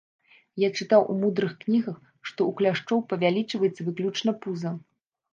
Я чытаў у мудрых кнігах, што ў кляшчоў павялічваецца выключна пуза.